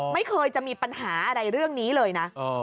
ไม่เคยจะมีปัญหาอะไรเรื่องนี้เลยนะ